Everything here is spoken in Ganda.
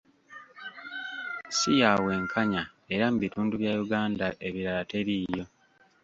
Si ya bwenkanya era mu bitundu bya Uganda ebirala teriiyo.